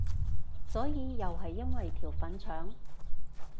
所以又係因為條粉腸？